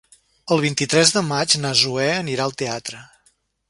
El vint-i-tres de maig na Zoè anirà al teatre.